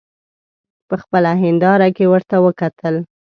په خپله هینداره کې ورته وکتل.